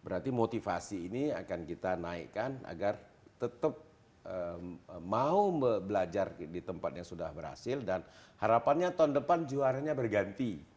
berarti motivasi ini akan kita naikkan agar tetap mau belajar di tempat yang sudah berhasil dan harapannya tahun depan juaranya berganti